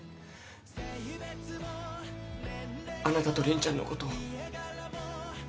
あなたと凛ちゃんのこと。